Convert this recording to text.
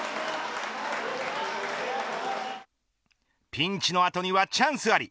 ピンチの後にはチャンスあり。